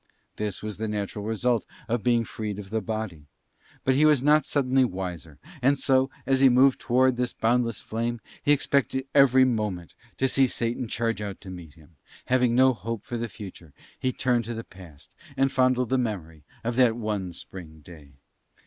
This was the natural result of being freed of the body; but he was not suddenly wiser; and so, as he moved towards this boundless flame, he expected every moment to see Satan charge out to meet him: and having no hope for the future he turned to the past and fondled the memory of that one spring day.